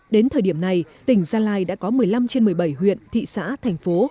đến thời điểm này tỉnh gia lai đã có một mươi năm trên một mươi bảy huyện thị xã thành phố